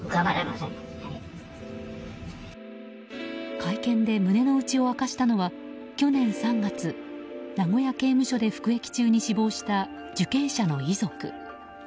会見で胸の内を明かしたのは去年３月名古屋刑務所で服役中に死亡した受刑者の遺族。